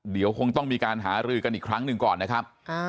เดี๋ยวคงต้องมีการหารือกันอีกครั้งหนึ่งก่อนนะครับ